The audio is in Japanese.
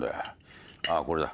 ああこれだ。